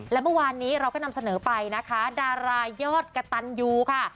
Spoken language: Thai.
และเมื่อวานนี้เราก็นำเสนอไปนะคะดารายอดกระตันยูค่ะ